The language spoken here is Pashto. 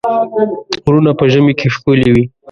غرونه په ژمي کې ښکلي وي.